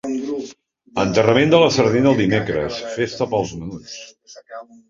Enterrament de la sardina el dimecres, festa pels menuts.